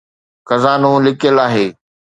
خزانو لڪيل آهي